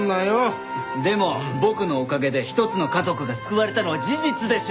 でも僕のおかげで一つの家族が救われたのは事実でしょ！